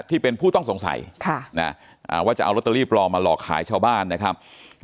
ที่เป็นผู้ต้องสงสัยว่าจะเอาลอตเตอรี่ปลอมมาหลอกขายชาวบ้านนะครับ